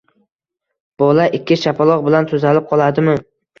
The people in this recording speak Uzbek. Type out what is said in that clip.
Bola ikki shapaloq bilan tuzalib qoladimi?